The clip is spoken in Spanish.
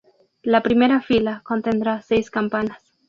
La primera fila contendrá seis campanas.